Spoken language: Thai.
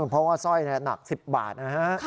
เพราะว่าสร้อยหนัก๑๐บาทนะฮะ